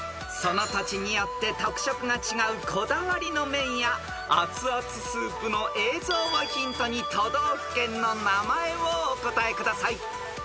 ［その土地によって特色が違うこだわりの麺や熱々スープの映像をヒントに都道府県の名前をお答えください］